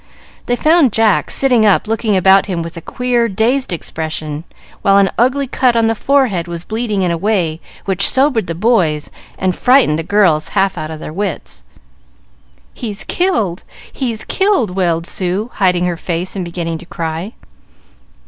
They found Jack sitting up looking about him with a queer, dazed expression, while an ugly cut on the forehead was bleeding in a way which sobered the boys and frightened the girls half out of their wits. "He's killed! He's killed!" wailed Sue, hiding her face and beginning to cry.